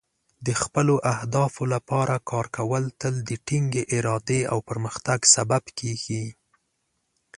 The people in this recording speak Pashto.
د خپلو اهدافو لپاره کار کول تل د ټینګې ارادې او پرمختګ سبب کیږي.